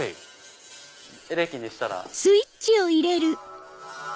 エレキにしたら。